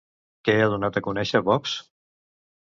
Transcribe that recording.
Què ha donat a conèixer Vox?